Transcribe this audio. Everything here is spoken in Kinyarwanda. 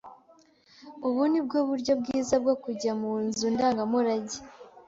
Ubu ni bwo buryo bwiza bwo kujya mu nzu ndangamurage?